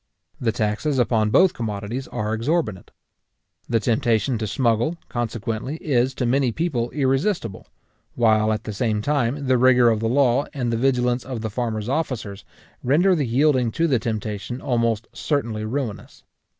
The taxes upon both commodities are exorbitant. The temptation to smuggle, consequently, is to many people irresistible; while, at the same time, the rigour of the law, and the vigilance of the farmer's officers, render the yielding to the temptation almost certainly ruinous.